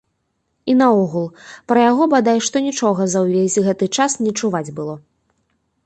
І наогул, пра яго бадай што нічога за ўвесь гэты час не чуваць было.